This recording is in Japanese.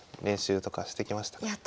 練習とかしてきましたか？